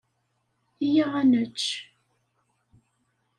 Iyya ad nečč.